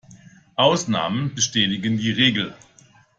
Ausnahmen bestätigen die Regel.